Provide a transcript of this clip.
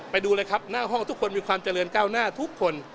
ไปดูเลยครับหน้าห้องทุกคนมีความเจริญก้าวหน้าทุกคน